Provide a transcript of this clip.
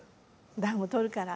暖をとるから。